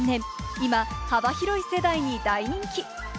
今、幅広い世代に大人気。